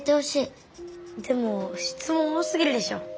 でもしつもん多すぎるでしょ。